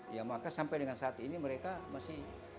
ya maka sampai dengan saat ini mereka masih